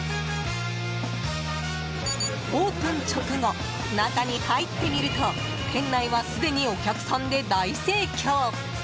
オープン直後、中に入ってみると店内はすでにお客さんで大盛況。